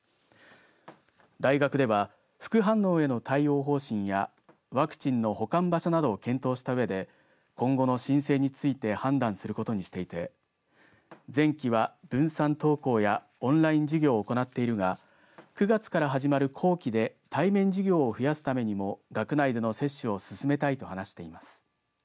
大学では副反応への対応方針やワクチンの保管場所などを検討したうえで今後の申請について判断することにしていて前期は分散登校やオンライン授業を行っているが９月から始まる後期で対面授業を増やすためにも学内での接種を進めたいと話しています。